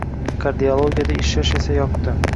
Kardiologiyada ishlash esa yoqdi